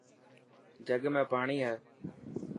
جڳ ۾ پاڻي هي.